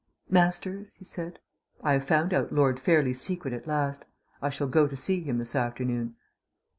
"Masters," he said, "I have found out Lord Fairlie's secret at last. I shall go to see him this afternoon."